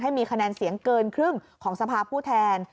มีคะแนนเสียงเกินครึ่งของสภาพผู้แทน